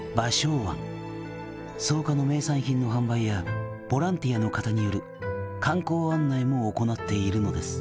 「草加の名産品の販売やボランティアの方による観光案内も行っているのです」